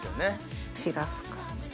散らす感じで。